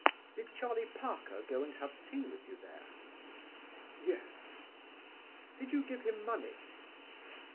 "Did Charlie Parker go and have tea with you there?" "Yes." "Did you give him money?"